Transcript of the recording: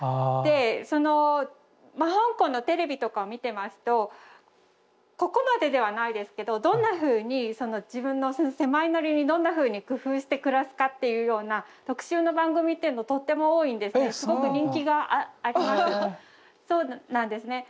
でそのまあ香港のテレビとかを見てますとここまでではないですけどどんなふうに自分の狭いなりにどんなふうに工夫して暮らすかっていうような特集の番組っていうのとっても多いんですねすごく人気があります。